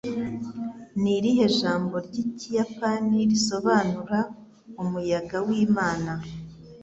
Ni irihe jambo ry'Ikiyapani risobanura 'umuyaga w'imana'?